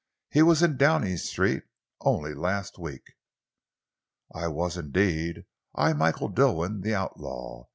He was in Downing Street only last week." "I was indeed I, Michael Dilwyn, the outlaw!